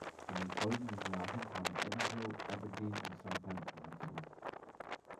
In den folgenden Jahren kamen Edinburgh, Aberdeen und Southampton hinzu.